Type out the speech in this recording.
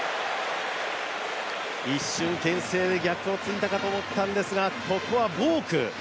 一瞬けん制で逆をついたかと思ったんですがここはボーク。